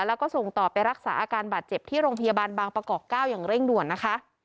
แล้วก็ส่งต่อไปรักษาอาการบาดเจ็บที่โรงพยาบาลบางประกอบ๙อย่างเร่งด่วนนะคะ